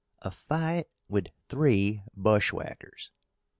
A FIGHT WITH THREE BUSHWHACKERS.